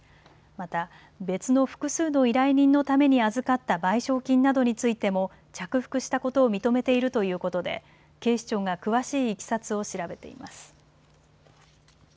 また、別の複数の依頼人のために預かった賠償金などについても着服したことを認めているということで警視庁が詳しいいきさつを調べています。